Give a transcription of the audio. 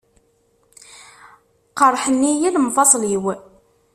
Qerrḥen-iyi lemfuṣal-iw.